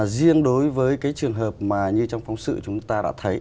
riêng đối với trường hợp như trong phóng sự chúng ta đã thấy